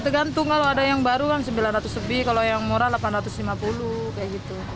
tergantung kalau ada yang baru kan sembilan ratus lebih kalau yang murah rp delapan ratus lima puluh kayak gitu